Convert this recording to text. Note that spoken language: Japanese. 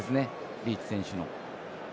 リーチ選手の。